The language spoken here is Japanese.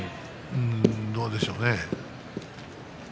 うーんどうでしょうね。